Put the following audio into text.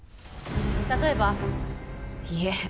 例えばいえ